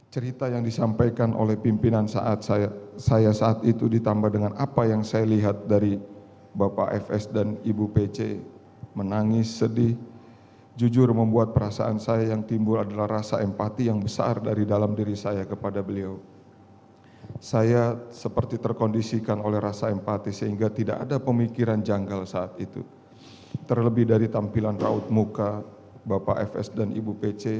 cerita yang disampaikan oleh pimpinan saat saya saat itu ditambah dengan apa yang saya lihat dari bapak fs dan ibu fb